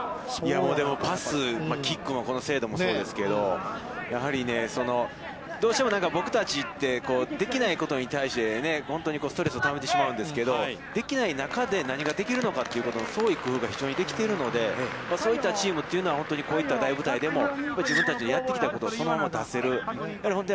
でもパス、キックの精度もそうですけど、やはりどうしてもなんか僕たちって、できないことに対して本当にストレスをためてしまうんですけど、できない中で、何ができるのかということの創意工夫が非常にできているのでそういったチームというのは、本当にこういった大舞台でも自分たちでやってきたことをそのまま出せる。